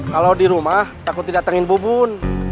kalau di rumah takut didatengin bubun